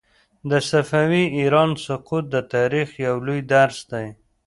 د صفوي ایران سقوط د تاریخ یو لوی درس دی.